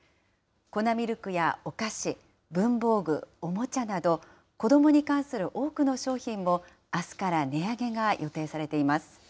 粉ミルクやお菓子、文房具、おもちゃなど、子どもに関する多くの商品も、あすから値上げが予定されています。